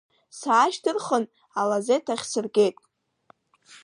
Саашьҭырхын алазеҭ ахь сыргеит.